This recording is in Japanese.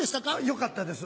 よかったです。